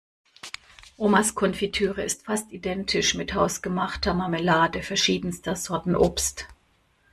Omas Konfitüre ist fast identisch mit hausgemachter Marmelade verschiedenster Sorten Obst.